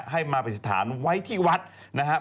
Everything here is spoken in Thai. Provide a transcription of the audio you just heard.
ให้มาประสิทธิ์ฐานไว้ที่วัดนะครับ